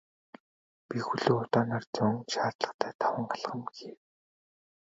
Би хөлөө удаанаар зөөн шаардлагатай таван алхам хийв.